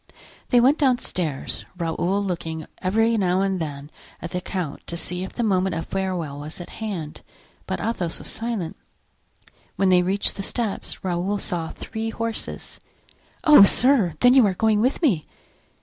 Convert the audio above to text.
They went downstairs, Raoul looking every now and then at the count to see if the moment of farewell was at hand, but Athos was silent. When they reached the steps Raoul saw three horses. "Oh, sir! then you are going with me?"